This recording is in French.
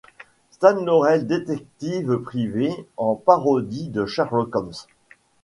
Stan Laurel détective privé en parodie de Sherlock Holmes.